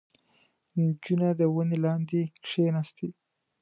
• نجونه د ونې لاندې کښېناستې.